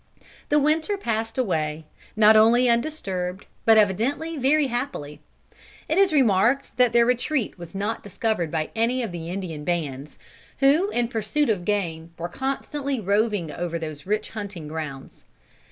The winter passed away, not only undisturbed, but evidently very happily. It is remarkable that their retreat was not discovered by any of the Indian bands, who in pursuit of game were constantly roving over those rich hunting grounds.